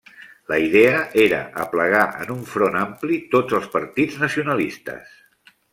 La idea era aplegar en un front ampli tots els partits nacionalistes.